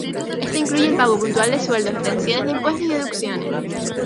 Esto incluye el pago puntual de sueldos, retenciones de impuestos, y deducciones.